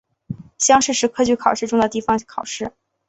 乡试是科举考试中的地方考试。